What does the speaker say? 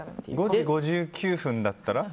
５時５９分だったら？